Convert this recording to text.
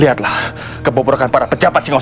lihatlah kebobrokan para pejabat singos